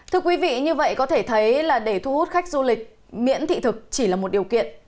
thưa quý vị như vậy có thể thấy là để thu hút khách du lịch miễn thị thực chỉ là một điều kiện